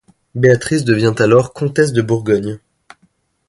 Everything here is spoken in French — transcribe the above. Béatrice devient alors comtesse de Bourgogne.